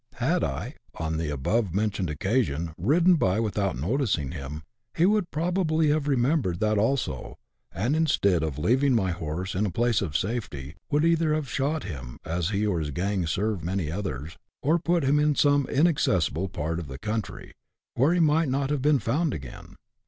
Had I, on the above mentioned occasion, ridden by without noticing him, he would probably have remembered that also, and, instead of leaving 40 BUSH LIFE IN AUSTRALIA. [chap. iv. my horse in a place of safety, would either have shot him, as he or his gang served many others, or put him in some inaccessible part of the country, where he might not have been found again.